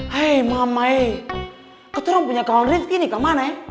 hai mamae ketorong punya kawan rifki nih kemana ya